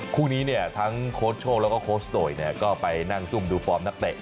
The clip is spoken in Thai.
คู่นี้เนี่ยทั้งโค้ชโชคแล้วก็โค้ชโตยก็ไปนั่งซุ่มดูฟอร์มนักเตะ